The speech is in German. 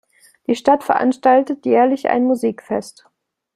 Die Stadt veranstaltet jährlich ein Musikfest.